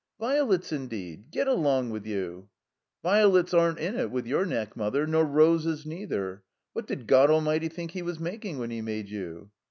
"Violets indeed! Get along with you!" "Violets aren't in it with your neck, Mother — nor roses neither. What did God Almighty think he was making when he made you?"